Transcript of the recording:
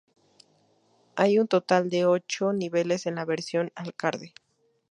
Hay un total de ocho niveles en la versión arcade.